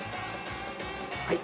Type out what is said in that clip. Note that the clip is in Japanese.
はい。